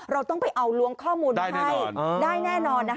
เราต้องไปเอาล้วงข้อมูลให้ได้แน่นอนนะคะ